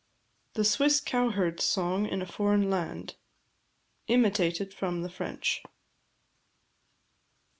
THE SWISS COWHERD'S SONG IN A FOREIGN LAND. IMITATED FROM THE FRENCH.